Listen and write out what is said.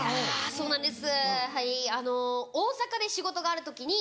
そうなんです。